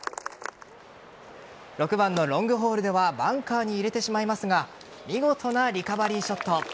６番のロングホールではバンカーに入れてしまいますが見事なリカバリーショット。